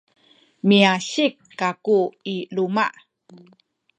miasik kaku i luma’.